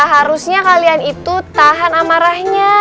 harusnya kalian itu tahan amarahnya